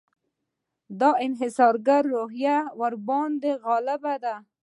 د انحصارګري روحیه ورباندې غالبه ده.